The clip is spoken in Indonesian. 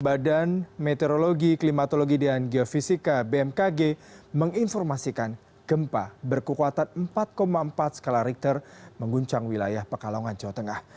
badan meteorologi klimatologi dan geofisika bmkg menginformasikan gempa berkekuatan empat empat skala richter mengguncang wilayah pekalongan jawa tengah